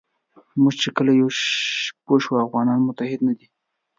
موږ چې کله پوه شو افغانستان متحد نه دی.